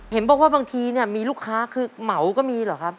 เห็นบอกว่าบางทีเนี่ยมีลูกค้าคือเหมาก็มีเหรอครับ